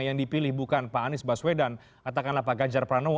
yang dipilih bukan pak anies baswedan katakanlah pak ganjar pranowo